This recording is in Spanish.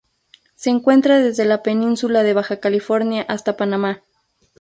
Se encuentra desde la Península de Baja California hasta Panamá.